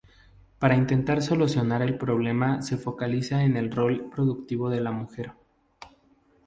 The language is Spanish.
Para intentar solucionar el problema se focaliza en el rol productivo de la mujer.